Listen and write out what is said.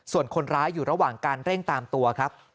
ส่วนคนร้ายอยู่ระหว่างการเร่งตามตัวครับ